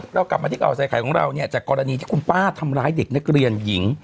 เรากลับมาที่ข่าวใส่ไข่ของเราเนี่ยจากกรณีที่คุณป้าทำร้ายเด็กนักเรียนหญิง